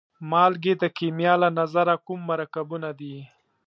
مالګې د کیمیا له نظره کوم مرکبونه دي؟